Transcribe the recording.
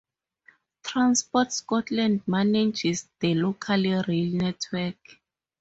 Transport Scotland manages the local rail network.